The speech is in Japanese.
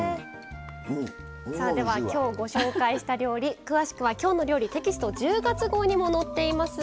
さあでは今日ご紹介した料理詳しくは「きょうの料理」テキスト１０月号にも載っています。